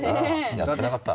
やってなかった。